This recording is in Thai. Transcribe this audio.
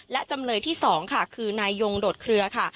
และจำเลยที่๒ค่ะคือนายยงโดดเคลือค่ะ